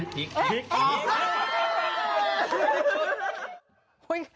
พริก